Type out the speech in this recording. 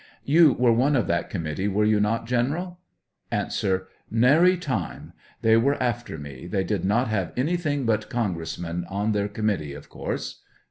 You were one of that committee, were you not. General ? A, Nary time. They were after me ; they did not have anything but Congressmen on their committee, of course.